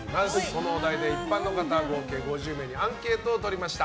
そのお題で一般の方、計５０人にアンケートを取りました。